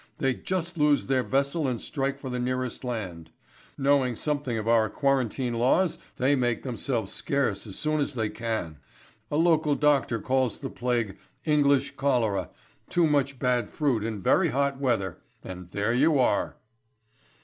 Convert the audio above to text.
They just lose their vessel and strike for the nearest land. Knowing something of our quarantine laws they make themselves scarce as soon as they can. A local doctor calls the plague English cholera, too much bad fruit in very hot weather, and there you are."